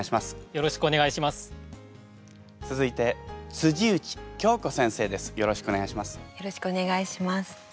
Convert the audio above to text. よろしくお願いします。